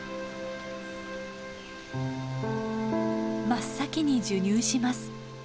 真っ先に授乳します。